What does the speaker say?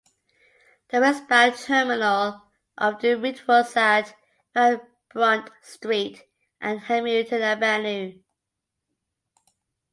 The westbound terminal of the route was at Van Brunt Street and Hamilton Avenue.